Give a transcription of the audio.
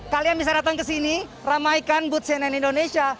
kalian bisa datang ke sini ramaikan booth cnn indonesia